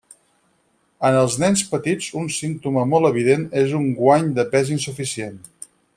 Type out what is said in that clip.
En els nens petits un símptoma molt evident és un guany de pes insuficient.